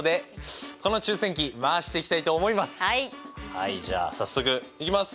はいじゃあ早速いきます！